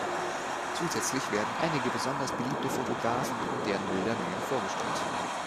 Zusätzlich werden einige besonders beliebte Fotografen und deren Bilder näher vorgestellt.